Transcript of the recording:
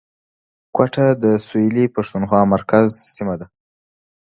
کوټه د سویلي پښتونخوا مرکز سیمه ده